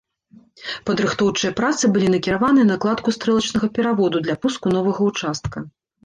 Падрыхтоўчыя працы былі накіраваныя на кладку стрэлачнага пераводу для пуску новага ўчастка.